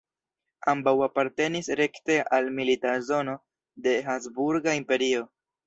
Ambaŭ apartenis rekte al milita zono de Habsburga Imperio.